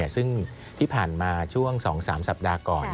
ซึ่งที่ผ่านมาช่วง๒๓สัปดาห์ก่อน